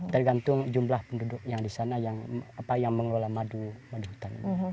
tergantung jumlah penduduk yang di sana yang mengelola madu madu hutan